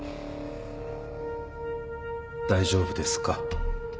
大丈夫ですか？